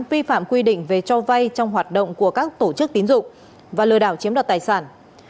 vi phạm quy định về cho vay trong hoạt động của các tổ chức tín dụng và lừa đảo chiếm đoạt tài sản